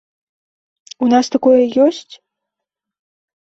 У нас такое ёсць?